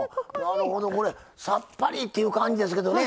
さっぱりっていう感じですけどね